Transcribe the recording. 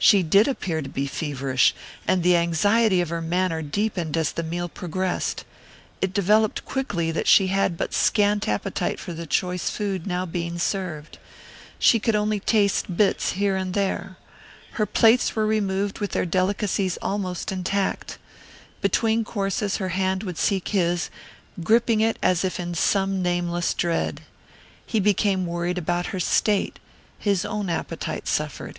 She did appear to be feverish, and the anxiety of her manner deepened as the meal progressed. It developed quickly that she had but scant appetite for the choice food now being served. She could only taste bits here and there. Her plates were removed with their delicacies almost intact. Between courses her hand would seek his, gripping it as if in some nameless dread. He became worried about her state; his own appetite suffered.